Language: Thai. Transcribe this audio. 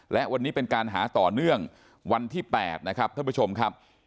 และวันนี้เป็นการหาต่อเนื่องวันที่๘นะครับท่านผู้ชมครับ